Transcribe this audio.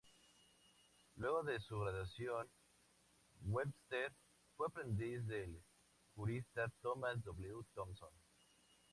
Luego de su graduación, Webster fue aprendiz del jurista Thomas W. Thompson.